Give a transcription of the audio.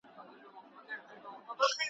له رقیبه مو ساتلی راز د میني ,